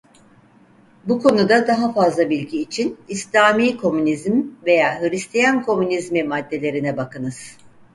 Bu konuda daha fazla bilgi için İslamî komünizm ve Hristiyan komünizmi maddelerine bakınız.